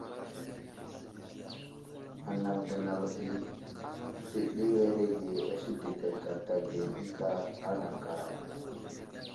Anaŋ gənaw ɗi tədewerege a sədek gata ge ənta lalaŋkara.